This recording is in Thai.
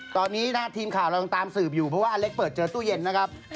ตอนนี้นะฮะทีมข่าวเรายังตามสืบอยู่เพราะว่าอเล็กเปิดเจอตู้เย็นนะครับ